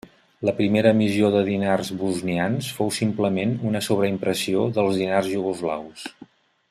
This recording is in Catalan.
La primera emissió de dinars bosnians fou simplement una sobreimpressió dels dinars iugoslaus.